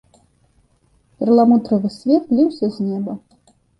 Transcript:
Перламутравы свет ліўся з неба.